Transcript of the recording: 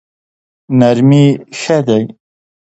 نرمي ښه دی.